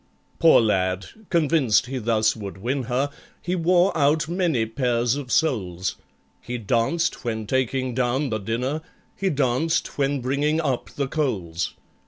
Poor lad! convinced he thus would win her, He wore out many pairs of soles; He danced when taking down the dinner— He danced when bringing up the coals.